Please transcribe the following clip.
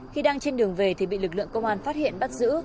khi đang trên đường về thì bị lực lượng công an phát hiện bắt giữ